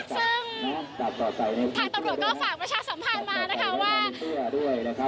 ซึ่งทางตำรวจก็ฝากประชาสัมพันธ์มานะคะว่า